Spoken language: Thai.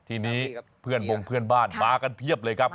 ทีนี้เพื่อนบงเพื่อนบ้านมากันเพียบเลยครับ